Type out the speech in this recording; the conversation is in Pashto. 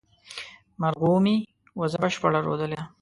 مرغومي، وزه بشپړه رودلې ده